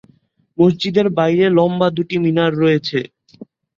মসজিদের বাইরে লম্বা দুটি মিনার রয়েছে।